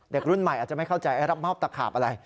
เด็กรุ่นใหม่อาจจะไม่เข้าใจรับมอบตะขาบอะไร